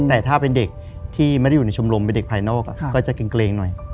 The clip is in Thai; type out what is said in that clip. แต่ถ้าเป็นเด็กที่ไม่ได้อยู่ในชมรมเป็นเด็กภายนอกก็จะเกรงหน่อย